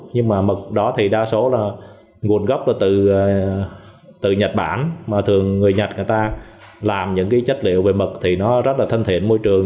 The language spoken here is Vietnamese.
nhưng mà mật đó thì đa số là nguồn gốc là từ nhật bản mà thường người nhật người ta làm những cái chất liệu về mật thì nó rất là thân thiện môi trường